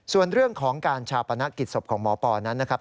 ส่วนเรื่องของการชาปนกิจศพของหมอปอนั้นนะครับ